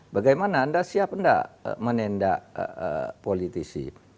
bagaimana anda siap tidak menindak politisi